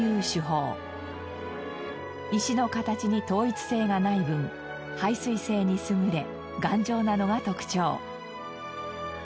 石の形に統一性がない分排水性に優れ頑丈なのが特徴。